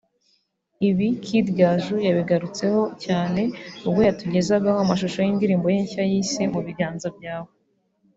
Ibi Kid Gaju yabigarutseho cyane ubwo yatugezagaho amashusho y’indirimbo ye nshya yise ‘Mu biganza byawe’